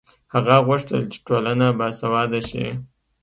هغه غوښتل چې ټولنه باسواده شي.